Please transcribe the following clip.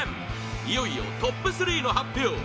いよいよトップ３の発表